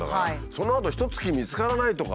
そのあとひとつき見つからないとかさ。